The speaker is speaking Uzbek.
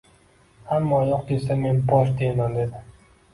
Hamma oyoq desa men bosh deyman dedi.